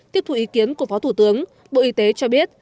tiếp thủ ý kiến của phó thủ tướng bộ y tế cho biết